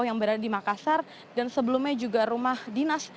yang berada di makassar dan sebelumnya juga rumah dinas